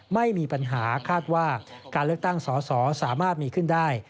ไม่มีปัญหาคาดว่าการเลือกตั้งสอสอสามารถมีขึ้นได้